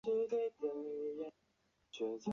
石门坎原为苗族一支大花苗的聚居地。